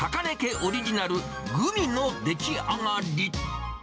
オリジナルグミの出来上がり。